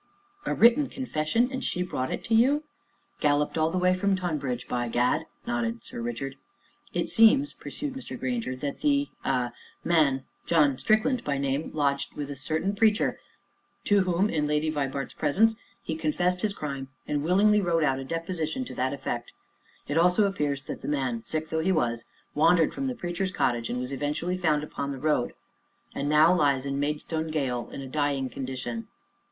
"A written confession and she brought it to you?" "Galloped all the way from Tonbridge, by Gad!" nodded Sir Richard. "It seems," pursued Mr. Grainger, "that the ah man, John Strickland, by name, lodged with a certain preacher, to whom, in Lady Vibart's presence, he confessed his crime, and willingly wrote out a deposition to that effect. It also appears that the man, sick though he was, wandered from the Preacher's cottage, and was eventually found upon the road, and now lies in Maidstone gaol, in a dying condition."